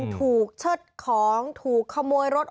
เชิดของถูกขโมยรถ